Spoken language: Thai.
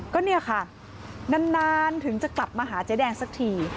ก็เนี่ยค่ะนานถึงจะกลับมาหาเจ๊แดงสักที